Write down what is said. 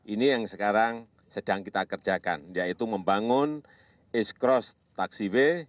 ini yang sekarang sedang kita kerjakan yaitu membangun east cross taxiway